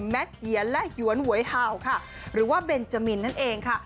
แมทเหยียนและหรือว่านั่นเองค่ะ